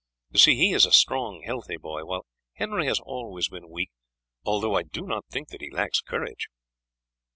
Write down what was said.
You see he is a strong healthy boy; while Henry has always been weak, although I do not think that he lacks courage."